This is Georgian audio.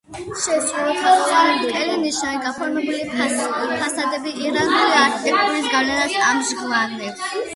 შეისრულთაღოვანი ბრტყელი ნიშებით გაფორმებული ფასადები ირანული არქიტექტურის გავლენას ამჟღავნებს.